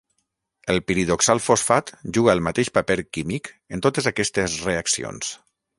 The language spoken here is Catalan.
El piridoxal fosfat juga el mateix paper químic en totes aquestes reaccions.